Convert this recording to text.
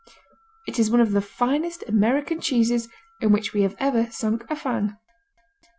It is one of the finest American cheeses in which we have ever sunk a fang.